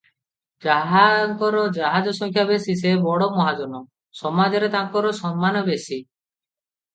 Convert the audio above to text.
ଯାହାଙ୍କର ଜାହାଜ ସଂଖ୍ୟା ବେଶି, ସେ ବଡ଼ ମହାଜନ, ସମାଜରେ ତାଙ୍କର ସମ୍ମାନ ବେଶି ।